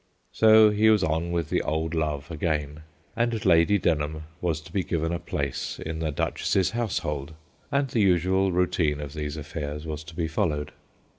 So he was on with the old love again, and Lady Den ham was to be given a place in the Duchess's household, and the usual routine of these affairs was to be followed.